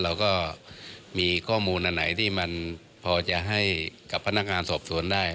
เราก็มีข้อมูลอันไหนที่มันพอจะให้กับพนักงานสอบสวนได้